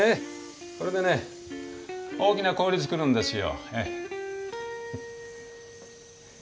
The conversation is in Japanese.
これでね大きな氷作るんですよ。